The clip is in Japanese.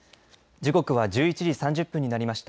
時刻は１１時３０分になりました。